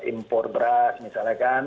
impor beras misalnya kan